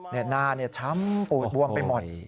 หน้าช้ำปูดบวมไปหมด